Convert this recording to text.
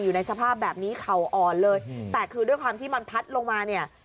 อยู่ในสภาพแบบนี้เข่าอ่อนเลยแต่คือด้วยความที่มันพัดลงมาเนี่ย